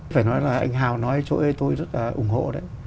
phải nói là anh hào nói chỗ ấy tôi rất là ủng hộ đấy